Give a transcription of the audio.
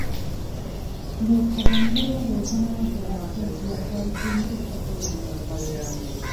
د کروندګرو روزنه د حاصل زیاتوالي کې مرسته کوي.